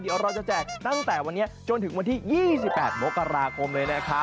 เดี๋ยวเราจะแจกตั้งแต่วันนี้จนถึงวันที่๒๘มกราคมเลยนะครับ